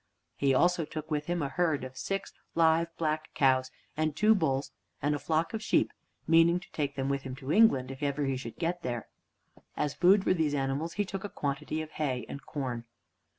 He also took with him a herd of six live black cows and two bulls, and a flock of sheep, meaning to take them with him to England, if ever he should get there. As food for these animals he took a quantity of hay and corn.